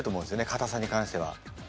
かたさに関しては。